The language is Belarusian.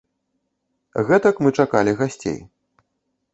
Гэтак мы чакалі гасцей.